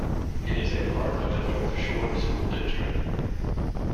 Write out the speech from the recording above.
It is a part of the North Shore School District.